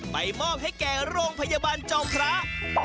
มอบให้แก่โรงพยาบาลจอมพระ